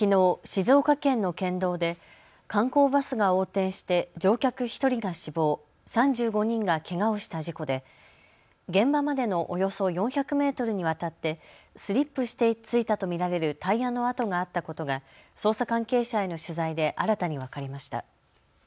静岡県の県道で観光バスが横転して乗客１人が死亡、３５人がけがをした事故で現場までのおよそ４００メートルにわたってスリップしてついたと見られるタイヤの跡があったことが捜査関係者への取材で新たに分かりました。